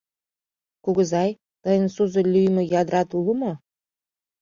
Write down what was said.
— Кугызай, тыйын сузо лӱйымӧ ядрат уло мо?